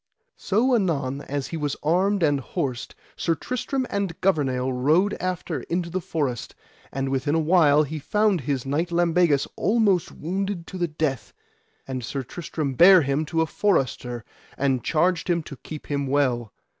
So anon as he was armed and horsed Sir Tristram and Gouvernail rode after into the forest, and within a while he found his knight Lambegus almost wounded to the death; and Sir Tristram bare him to a forester, and charged him to keep him well.